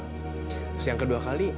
terus yang kedua kali